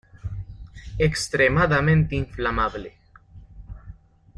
Extremadamente inflamable.